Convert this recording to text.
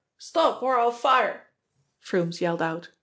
Stop, or I'll fire!" Froomes yelled out.